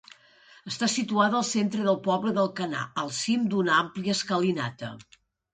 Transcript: Està situada al centre del poble d'Alcanar, al cim d'una àmplia escalinata.